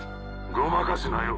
ごまかすなよ？